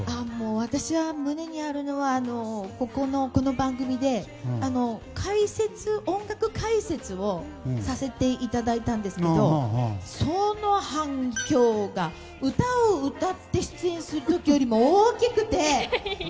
私の胸にあるのはこの番組で音楽解説をさせていただいたんですけどその反響が歌を歌って出演する時よりも大きくて。